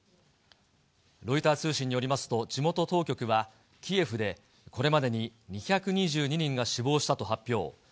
ロイター通信によりますと、地元当局は、キエフでこれまでに２２２人が死亡したと発表。